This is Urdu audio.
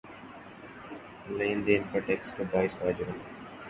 لین دین پر ٹیکس کے باعث تاجروں